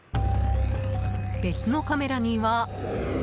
別のカメラには。